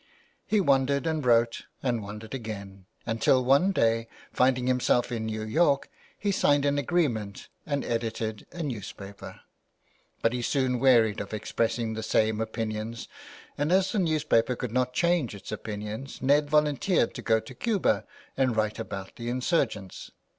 He wandered and wrote, and wandered again, until one day, finding himself in New York, he signed an agreement and edited a newspaper. But he soon wearied of expressing the same opinions, and as the newspaper could not change its opinions Ned volun teered to go to Cuba and write about the insurgents.